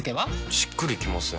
しっくりきません。